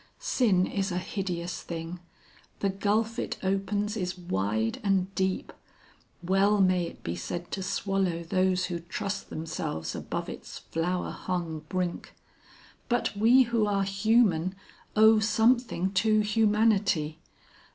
Sin is a hideous thing; the gulf it opens is wide and deep; well may it be said to swallow those who trust themselves above its flower hung brink. But we who are human, owe something to humanity.